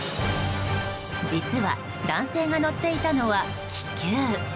実は男性が乗っていたのは気球。